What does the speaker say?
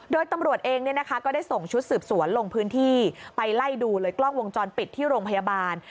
โดยตำรวจเองก็ได้ส่งชุดสืบสวนลงพื้นที่ไปไล่ดูเลยกล้องวงจรปิดที่โรงพยาบาล